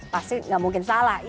pasti gak mungkin salah